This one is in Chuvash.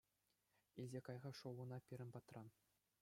Илсе кай-ха шӑллуна пирӗн патран.